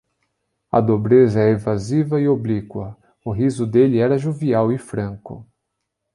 A dobrez é evasiva e oblíqua; o riso dele era jovial e franco.